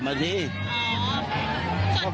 ขอให้มีความสุขด้วยกัน